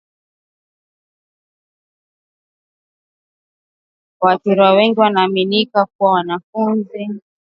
Waathiriwa wengi wanaaminika kuwa wanafunzi